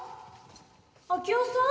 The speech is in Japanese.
明夫さん？